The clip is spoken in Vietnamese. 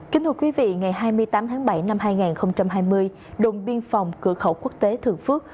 kính thưa quý vị ngày hai mươi tám tháng bảy năm hai nghìn hai mươi đồn biên phòng cửa khẩu quốc tế thượng phước